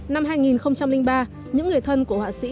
năm hai nghìn ba những người thân của họa sĩ